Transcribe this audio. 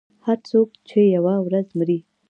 • هر څوک چې یوه ورځ مري.